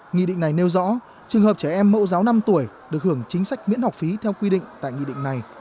nghị định này nêu rõ trường hợp trẻ em mẫu giáo năm tuổi được hưởng chính sách miễn học phí theo quy định tại nghị định này